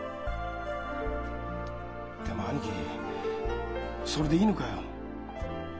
でも兄貴それでいいのかよ？